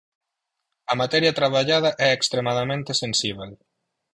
A materia traballada é extremadamente sensíbel.